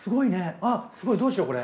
あっすごいどうしようこれ。